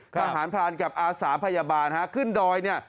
ผ่านพรานกับอาสาพยาบาลครับขึ้นดอยเนี้ย